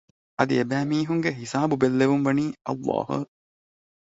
އަދި އެބައިމީހުންގެ ހިސާބު ބެއްލެވުން ވަނީ ﷲ